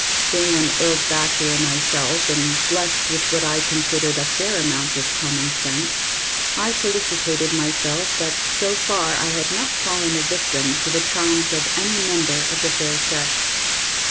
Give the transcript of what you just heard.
Being an old bachelor myself, and blessed with what I considered a fair amount of common sense, I felicitated myself that so far I had not fallen a victim to the charms of any member of the fair sex.